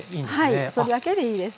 はいそれだけでいいです。